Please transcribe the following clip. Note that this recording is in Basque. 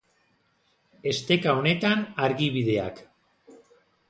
Esteka honetan, argibideak.